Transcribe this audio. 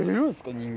人間。